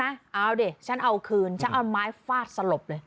เอาดิฉันเอาคืนฉันเอาไม้ฟาดสลบเลย